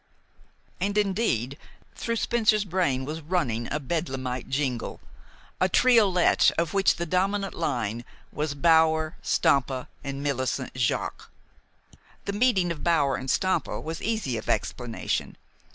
And, indeed, through Spencer's brain was running a Bedlamite jingle, a triolet of which the dominant line was Bower, Stampa, and Millicent Jaques. The meeting of Bower and Stampa was easy of explanation.